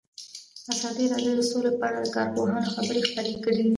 ازادي راډیو د سوله په اړه د کارپوهانو خبرې خپرې کړي.